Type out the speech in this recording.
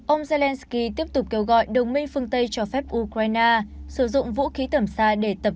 ông zelensky tiếp tục kêu gọi đồng minh phương tây cho phép ukraine sử dụng vũ khí tầm xa để tập